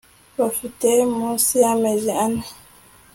bafite munsi y'amezi ane